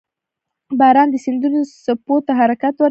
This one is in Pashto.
• باران د سیندونو څپو ته حرکت ورکوي.